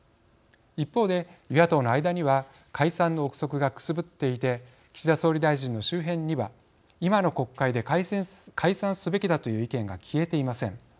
一方で、与野党の間には解散の臆測がくすぶっていて岸田総理大臣の周辺には今の国会で解散すべきだという意見が消えていません。